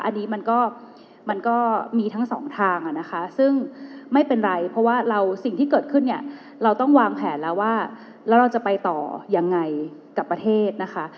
อันนี้มันก็มันก็มีทั้งสองทางนะคะซึ่งไม่เป็นไรเพราะว่าเราสิ่งที่เกิดขึ้นเนี่ยเราต้องวางแผนแล้วว่าแล้วเราจะไปต่อยังไงกับประเทศนะคะ